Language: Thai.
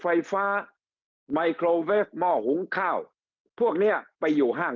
ไฟฟ้าไมโครเวฟหม้อหุงข้าวพวกเนี้ยไปอยู่ห้าง